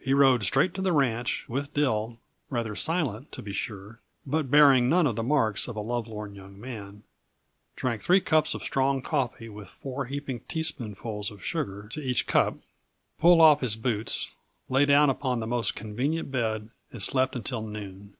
He rode straight to the ranch with Dill rather silent, to be sure, but bearing none of the marks of a lovelorn young man drank three cups of strong coffee with four heaping teaspoonfuls of sugar to each cup, pulled off his boots, lay down upon the most convenient bed and slept until noon.